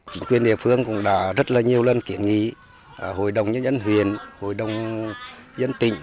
chính quyền địa phương cũng đã rất là nhiều lần kiện nghị hội đồng nhân dân huyền hội đồng dân tỉnh